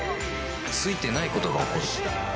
ついてないことが起こる